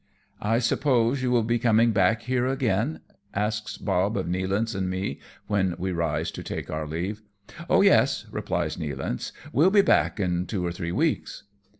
" I suppose you will be coming back here again ?" asks Bob of Nealance and me, when we rise to take our leave. " Oh, yes," replies Nealance, " we'll be back in two or three weeks."